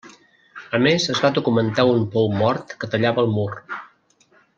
A més es va documentar un pou mort que tallava el mur.